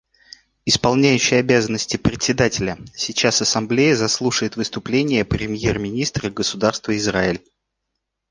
Исполняющий обязанности Председателя: Сейчас Ассамблея заслушает выступление премьер-министра Государства Израиль.